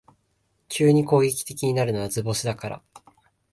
急に攻撃的になるのは図星だから